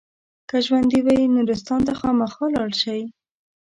که ژوندي وئ نورستان ته خامخا لاړ شئ.